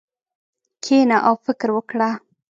کښېنه او فکر وکړه.